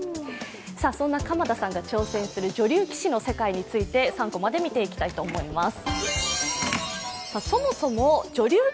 そんな鎌田さんが挑戦する女流棋士について３コマで見ていきたいと思います。